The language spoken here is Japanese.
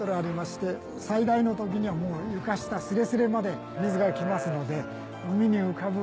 最大の時にはもう床下すれすれまで水が来ますので。